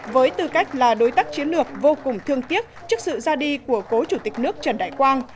với tư cách là đối tác chiến lược vô cùng thương tiếc trước sự ra đi của cố chủ tịch nước trần đại quang